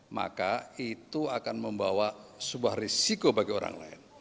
maka itu akan membawa sebuah risiko bagi orang lain